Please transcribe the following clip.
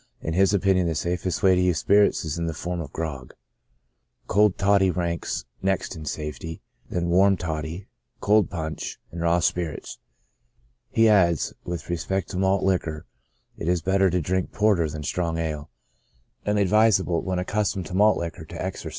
In his opinion, the safest way to use spirits is in the form of grog ; cold toddy ranks next in safety, then warm toddy, cold punch, and raw spirits. He adds, with respect to malt liquor, " it is better to drink porter than strong ale, and ad visable, when accustomed to malt liquor, to take exercise.